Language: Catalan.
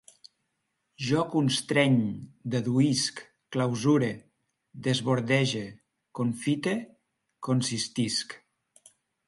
Jo constreny, deduïsc, clausure, desbordege, confite, consistisc